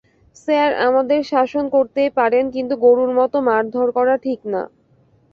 Sir আমাদের শাসন করতেই পারেন, কিন্তু গরুর মতো মারধর করা ঠিক না।